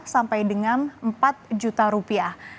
sampai dengan empat juta rupiah